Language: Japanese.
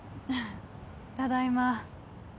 ただいま